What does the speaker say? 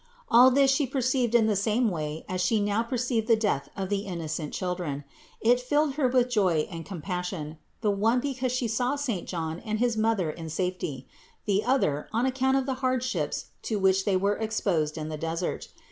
All this She perceived in the same way as She now per ceived the death of the innocent children. It filled Her with joy and compassion; the one because She saw saint John and his mother in safety, the other, on account of the hardships to which they were exposed in the desert.